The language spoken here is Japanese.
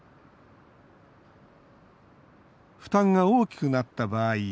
負担が大きくなった場合